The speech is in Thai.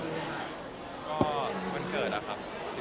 วันเกิดนะครับ๑๗นี้